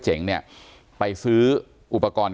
อยากให้สังคมรับรู้ด้วย